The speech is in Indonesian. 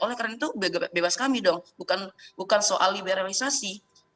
oleh karena itu bebas kami dong bukan soal liberalisasi